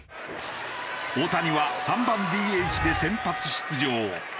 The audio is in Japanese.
大谷は３番ＤＨで先発出場。